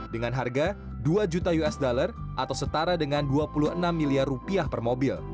dengan harga dua juta usd atau setara dengan dua puluh enam miliar rupiah per mobil